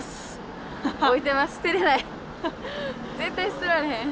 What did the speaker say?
絶対捨てられへん。